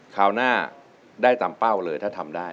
คราวหน้าได้ตามเป้าเลยถ้าทำได้